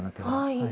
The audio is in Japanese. はい。